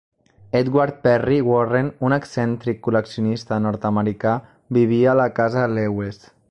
Edward Perry Warren, un excèntric col·leccionista nord-americà, vivia a la casa Lewes.